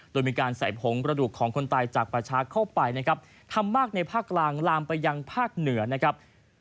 โดยมีการใส่ผงกระดูกของคนตายจากประชาเข้าไปนะครับทำมากในภาคกลางลามไปยังภาคเหนือนะครับ